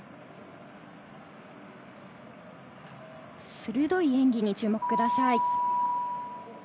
鋭い演技にご注目ください。